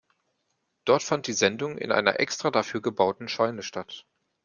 Dort fand die Sendung in einer extra dafür gebauten Scheune statt.